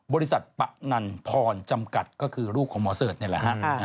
บริษัทปะนันพรจำกัดก็คือลูกของหมอเสิร์ชนี่แหละฮะ